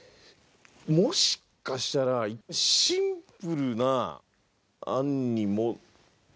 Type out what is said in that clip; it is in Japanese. もしかしたらシンプルな案に。